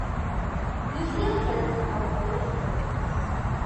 Lucy observes how boyish George is.